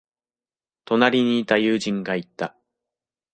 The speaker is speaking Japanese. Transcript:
隣にいた友人が言った。